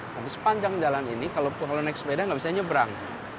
lalu sepanjang jalan ini kalau naik sepeda gak bisa nyeberang